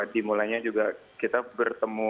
dimulainya juga kita bertemu